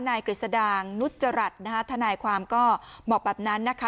นายกฤษดางนุจจรัตรทนายความก็เหมาะแบบนั้นนะคะ